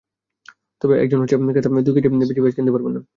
তবে একজন ক্রেতা একসঙ্গে দুই কেজির বেশি পেঁয়াজ কিনতে পারবেন না।